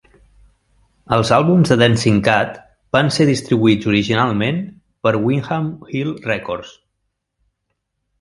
Els àlbums de Dancing Cat van ser distribuïts originalment per Windham Hill Records.